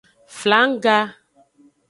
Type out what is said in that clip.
Flangga.